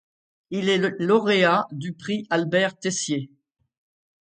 Il est un lauréat du prix Albert-Tessier.